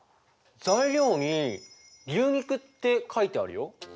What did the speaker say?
材料に「牛肉」って書いてあるよ。